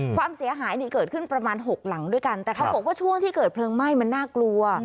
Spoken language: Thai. ความเสียหายนี่เกิดขึ้นประมาณหกหลังด้วยกันแต่เขาบอกว่าช่วงที่เกิดเพลิงไหม้มันน่ากลัว